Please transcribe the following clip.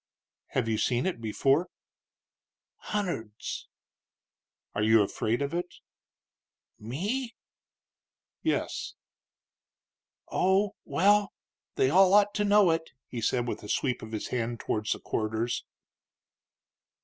"Have you seen it before?" "Hunderds." "Are you afraid of it?" "Me?" "Yes." "Oh, well, they all ought to know it," he said, with a sweep of his hand towards the corridors.